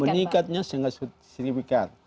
meningkatnya sangat signifikan